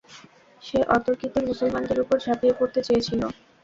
সে অতর্কিতে মুসলমানদের উপর ঝাঁপিয়ে পড়তে চেয়েছিল।